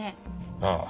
ああ。